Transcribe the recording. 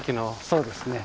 そうですね。